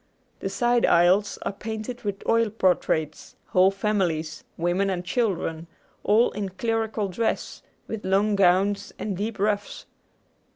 The side aisles are painted with oil portraits, whole families, women and children, all in clerical dress, with long gowns and deep ruffs.